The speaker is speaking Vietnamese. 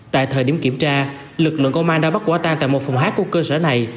tại thời điểm kiểm tra lực lượng công an đã bắt quả tan tại một phòng hát của cơ sở này